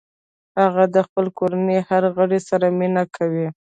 هغه د خپلې کورنۍ د هر غړي سره مینه کوي